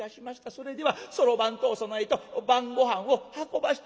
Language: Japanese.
それではそろばんとお供えと晩ごはんを運ばしてもらいます」。